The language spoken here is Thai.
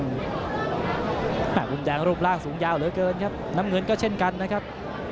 มุมแดงรูปร่างสูงยาวเหลือเกินครับน้ำเงินก็เช่นกันนะครับ